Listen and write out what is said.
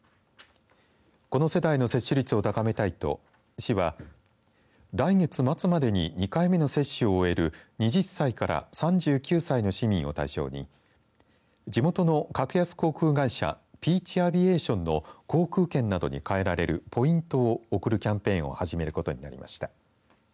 この世代の接種率を高めたいと市は、来月末までに２回目の接種を終える２０歳から３９歳の市民を対象に地元の格安航空会社ピーチ・アビエーションの航空券などにかえられるポイントを送るキャンペーンを始めることになりました。